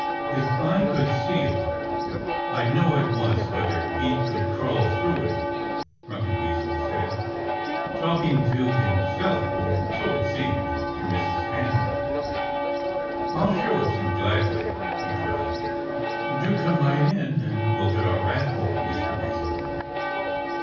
"If I could see it I'd know at once whether Pete could crawl through it," Grumpy Weasel said, talking to himself or so it seemed to Mrs. Hen. "I'll show it to you gladly!" she cried. "Do come right in and look at our rat hole, Mr. Weasel!"